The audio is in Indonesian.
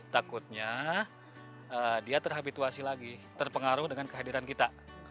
takutnya dia terhabituasi lagi terpengaruh dengan kehadiran kita